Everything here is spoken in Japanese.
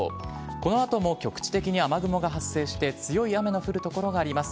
このあとも局地的に雨雲が発生して、強い雨の降る所があります。